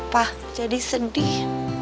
pa jadi sedih